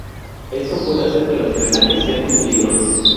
Esto puede hacer que los drenajes sean muy peligrosos